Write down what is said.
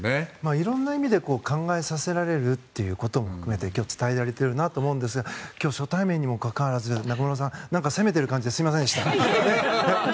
いろんな意味で考えさせられることを今日、伝えられているなと思いますが今日、初対面にもかかわらず中室さん攻めた感じですみませんでした。